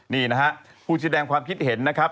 นี่นะฮะผู้แสดงความคิดเห็นนะครับ